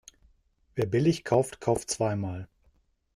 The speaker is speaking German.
Wer billig kauft, kauft zweimal.